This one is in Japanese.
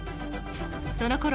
そのころ